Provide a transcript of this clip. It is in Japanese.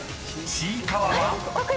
ちいかわ。